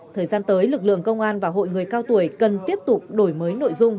thời gian tới lực lượng công an và hội người cao tuổi cần tiếp tục đổi mới nội dung